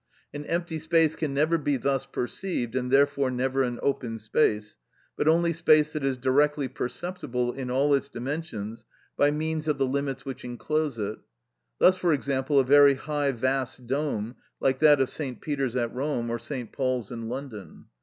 An empty space can never be thus perceived, and therefore never an open space, but only space that is directly perceptible in all its dimensions by means of the limits which enclose it; thus for example a very high, vast dome, like that of St. Peter's at Rome, or St. Paul's in London.